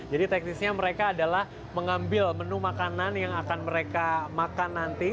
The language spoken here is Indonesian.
jadi teknisnya mereka adalah mengambil menu makanan yang akan mereka makan nanti